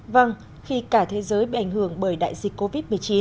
vâng khi cả thế giới bị ảnh hưởng bởi đại dịch covid một mươi chín